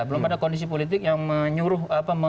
belum ada kondisi politik yang menyuruh